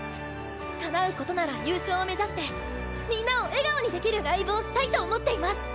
叶うことなら優勝を目指してみんなを笑顔にできるライブをしたいと思っています。